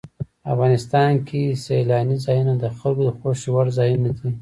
افغانستان کې سیلاني ځایونه د خلکو خوښې وړ ځای دی.